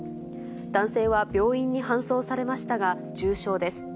男性は病院に搬送されましたが、重傷です。